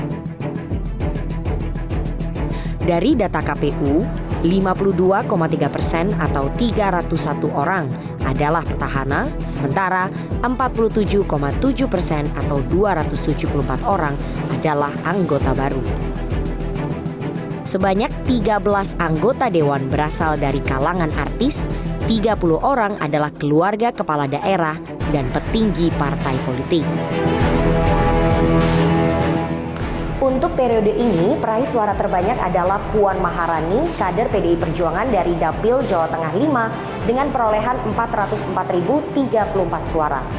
untuk periode ini peraih suara terbanyak adalah puan maharani kader pdi perjuangan dari dapil jawa tengah v dengan perolehan empat ratus empat tiga puluh empat suara